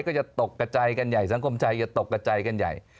ก็จะตกกระจายกันใหญ่สังคมใจจะตกกระใจกันใหญ่